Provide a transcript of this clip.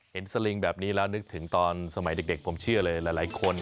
สลิงแบบนี้แล้วนึกถึงตอนสมัยเด็กผมเชื่อเลยหลายคน